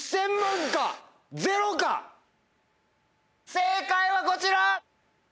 正解はこちら！